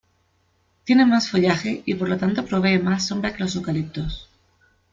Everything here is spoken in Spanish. Tiene más follaje y por lo tanto provee más sombra que los eucaliptos.